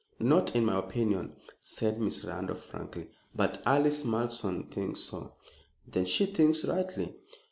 "Not in my opinion," said Miss Randolph, frankly, "but Alice Malleson thinks so." "Then she thinks rightly."